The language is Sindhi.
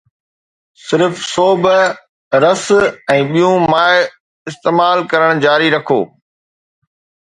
صرف سوپ، رس، ۽ ٻيون مائع استعمال ڪرڻ جاري رکو